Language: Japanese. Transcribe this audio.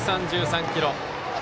１３３キロ。